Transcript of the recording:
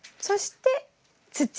そして土。